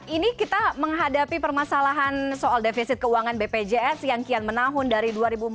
ini kita menghadapi permasalahan soal defisit keuangan bpjs yang kian menahun dari dua ribu empat belas